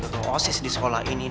kamu disini decidir